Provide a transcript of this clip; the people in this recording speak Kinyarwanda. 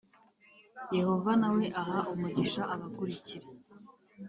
yehova na we aha umugisha abakurikira